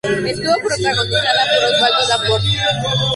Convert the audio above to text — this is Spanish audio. Estuvo protagonizada por Osvaldo Laport.